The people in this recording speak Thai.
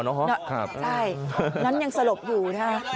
ใช่น้อนยังสลบอยู่